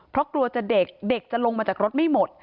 เพราะกลัวจะเด็กเด็กจะลงมาจากรถไม่หมด